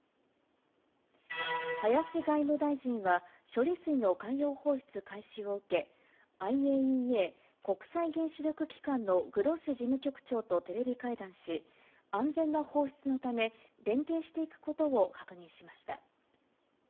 林外務大臣は、処理水の海洋放出開始を受け、ＩＡＥＡ・国際原子力機関のグロッシ事務局長とテレビ会談し、安全な放出のため、連携していくことを確認しました。